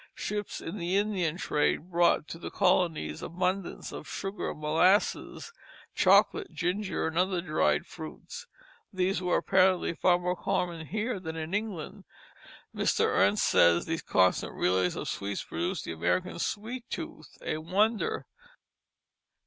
Ships in the "Indian trade" brought to the colonies abundance of sugar, molasses, chocolate, ginger, and other dried fruits. These were apparently far more common here than in England; Mr. Ernst says these constant relays of sweets "produced the American sweet tooth a wonder."